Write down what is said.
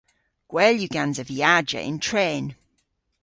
Gwell yw gansa viajya yn tren.